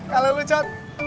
kalau lo john